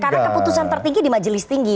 karena keputusan tertinggi di majelis tinggi